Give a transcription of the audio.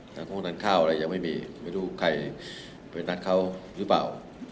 แต่ห้องนั้นข้าวอะไรยังไม่มีไม่รู้ใครไปนัดเขาหรือเปล่า